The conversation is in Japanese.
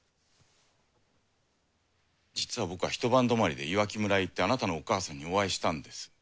実は僕はひと晩泊まりで岩城村へ行ってあなたのお母さんにお会いしたんです。